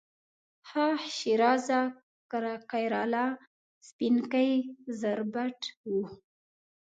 ښه ښېرازه کیراله، سپینکۍ زربټ و